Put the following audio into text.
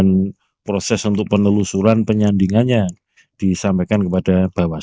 nah terus mas yang di itu mas